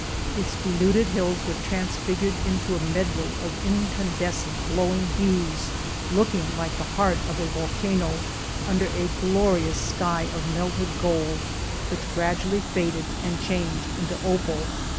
Its denuded hills were transfigured into a medley of incandescent glowing hues looking like the heart of a volcano — under a glorious sky of melted gold, which gradually faded and changed into opal.